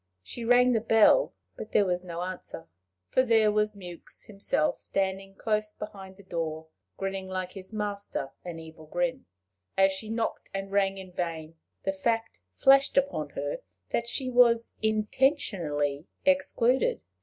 She rang the bell, but there was no answer for there was Mewks himself standing close behind the door, grinning like his master an evil grin. As she knocked and rang in vain, the fact flashed upon her that she was intentionally excluded.